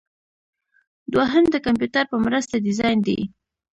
دوهم د کمپیوټر په مرسته ډیزاین دی.